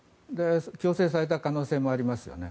強制された可能性もありますよね。